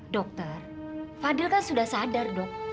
dokter fadil kan sudah sadar dok